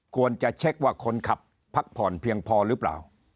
ควรจะเช็คว่าคนขับพักผ่อนเพียงพอหรือเปล่า